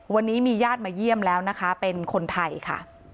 วันนี้มีญาติมาเยี่ยมแล้วนะคะเป็นคนไทยค่ะ